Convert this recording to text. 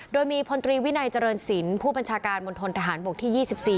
โดยมีพลตรีวินัยเจริญศิลป์ผู้บัญชาการมณฑนทหารบกที่๒๔